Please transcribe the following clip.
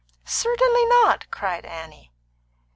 "Certainly not," cried Annie.